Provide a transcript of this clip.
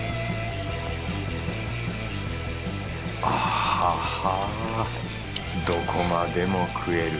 あぁどこまでも食える。